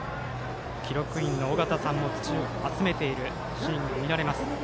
記録員の緒方さんも土を集めているシーンが見られます。